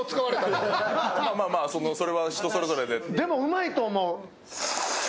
でもうまいと思う。